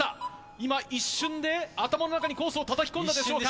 今、一瞬で頭の中にコースをたたき込んだでしょうか。